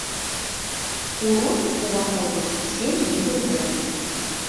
У род уваходзяць сем відаў дрэў.